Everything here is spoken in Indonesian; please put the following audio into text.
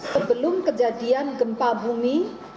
sebelum kejadian gempa bumi tujuh tujuh